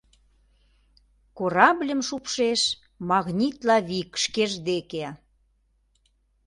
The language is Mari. Корабльым шупшеш магнитла вик шкеж деке.